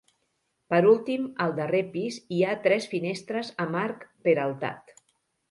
Per últim al darrer pis hi ha tres finestres amb arc peraltat.